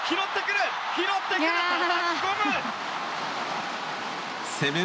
拾ってくる！